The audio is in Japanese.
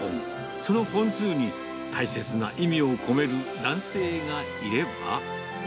その本数に大切な意味を込める男性がいれば。